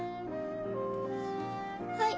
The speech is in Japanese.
はい。